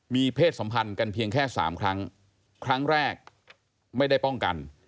มีเพศสัมพันธ์กันเพียงแค่สามครั้งครั้งแรกไม่ได้ป้องกัน